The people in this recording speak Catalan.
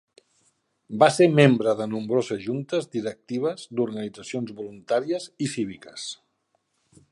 Va ser membre de nombroses juntes directives d'organitzacions voluntàries i cíviques.